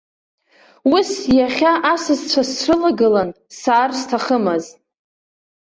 Ус, иахьа асасцәа срылагылан саар сҭахымызт.